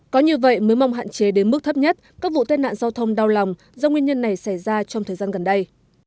có như vậy mới mong hạn chế đến mức thấp nhất các vụ tên nạn giao thông đau lòng do nguyên nhân này xảy ra trong thời gian gần đây